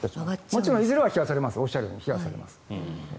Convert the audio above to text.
もちろんいずれはおっしゃるように冷やされます。